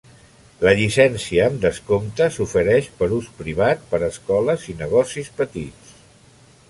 La llicència amb descompte s'ofereix per ús privat, per escoles i negocis petits.